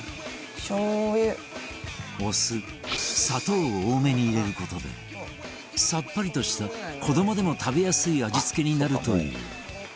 お酢砂糖を多めに入れる事でさっぱりとした子どもでも食べやすい味付けになるという